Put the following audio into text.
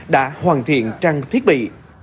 đã hoàn thiện trang thiết bị